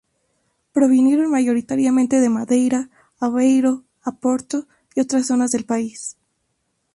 Provinieron mayoritariamente de Madeira, Aveiro, Oporto y otras zonas del país.